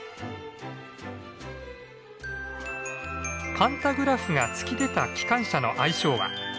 パンタグラフが突き出た機関車の愛称はかぶとむし。